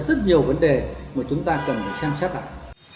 rất nhiều vấn đề mà chúng ta cần phải xem xét lại